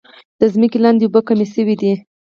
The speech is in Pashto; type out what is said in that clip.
د ځمکې لاندې اوبه کمې شوي دي.